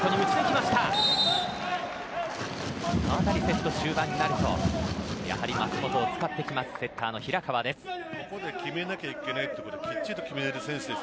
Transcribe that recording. このあたりセット終盤になるとやはり舛本を使ってくるセッターの平川です。